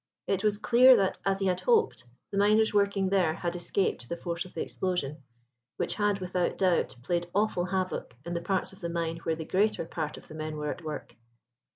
It was clear that, as he had hoped, the miners working there had escaped the force of the explosion, which had, without doubt, played awful havoc in the parts of the mine where the greater part of the men were at work.